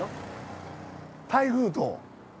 台風と。